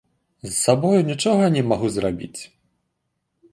З сабой нічога не магу зрабіць.